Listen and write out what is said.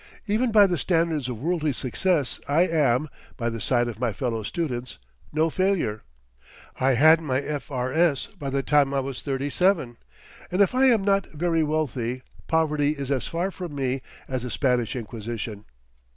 Even by the standards of worldly success I am, by the side of my fellow students, no failure. I had my F.R.S. by the time I was thirty seven, and if I am not very wealthy poverty is as far from me as the Spanish Inquisition.